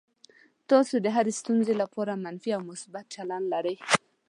تاسو د هرې ستونزې لپاره منفي او مثبت چلند لرئ.